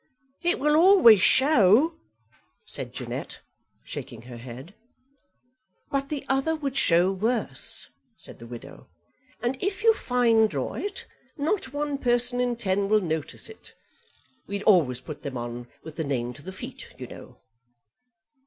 "It will always show," said Jeannette, shaking her head. "But the other would show worse," said the widow; "and if you finedraw it, not one person in ten will notice it. We'd always put them on with the name to the feet, you know."